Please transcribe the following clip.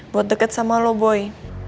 buat deket sama lo boy